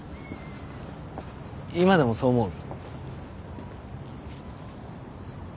今でもそう思う？